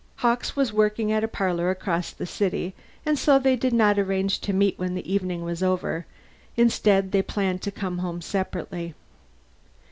Hawkes was working at a parlor far across the city, and so they did not arrange to meet when the evening was over; instead, they planned to come home separately.